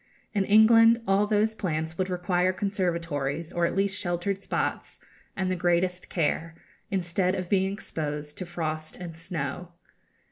In England all those plants would require conservatories, or at least sheltered spots, and the greatest care, instead of being exposed to frost and snow.